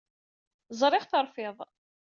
Ẓriɣ terfiḍ.